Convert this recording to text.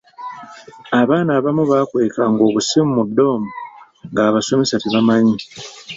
Abaana abamu baakwekanga obusimu mu ddoomu ng’abasomesa tebamanyi.